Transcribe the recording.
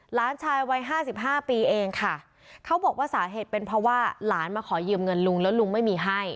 หลานชายวัยห้าสิบห้าปีเองค่ะเขาบอกว่าสาเหตุเป็นเพราะว่าหลานมาขอยืมเงินลุงแล้วลุงไม่มีให้